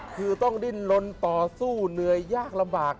คือต้องดิ้นลนต่อสู้เหนื่อยยากลำบาก